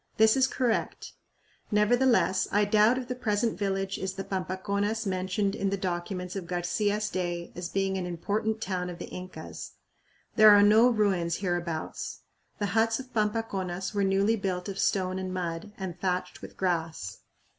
This is correct. Nevertheless, I doubt if the present village is the Pampaconas mentioned in the documents of Garcia's day as being "an important town of the Incas." There are no ruins hereabouts. The huts of Pampaconas were newly built of stone and mud, and thatched with grass.